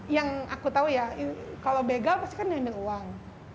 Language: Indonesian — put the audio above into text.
yang aku tahu ya kalau begal pasti kan diambil uang